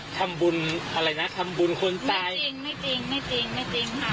ทำบุญอะไรนะทำบุญคนตายจริงไม่จริงไม่จริงก็จริงค่ะ